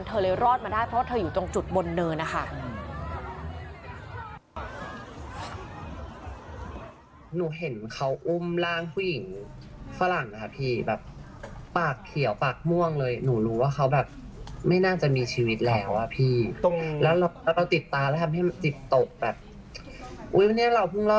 เธอเลยรอดมาได้เพราะเธออยู่ตรงจุดบนเนินนะคะ